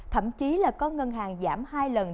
thậm chí là có ngân hàng giảm hai lần